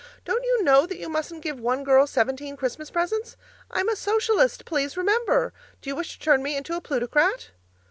Don't you KNOW that you mustn't give one girl seventeen Christmas presents? I'm a Socialist, please remember; do you wish to turn me into a Plutocrat?